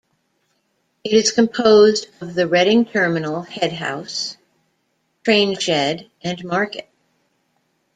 It is composed of the Reading Terminal Headhouse, Trainshed, and Market.